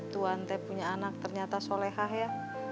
tuhan teh punya anak ternyata solehah ya